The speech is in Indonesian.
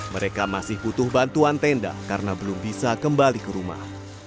mereka masih butuh bantuan tenda karena belum bisa kembali ke rumah